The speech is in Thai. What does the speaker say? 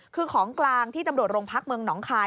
คือของกลางที่ตำรวจรงค์พระมงน้องคลาย